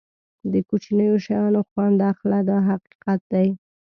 د کوچنیو شیانو خوند اخله دا حقیقت دی.